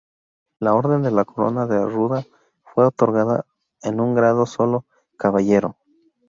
La Orden de la Corona de Ruda fue otorgada en un grado solo, Caballero.